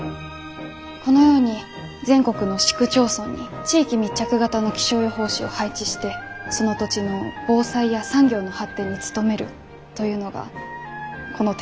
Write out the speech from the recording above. このように全国の市区町村に地域密着型の気象予報士を配置してその土地の防災や産業の発展に努めるというのがこの提案の趣旨ですが。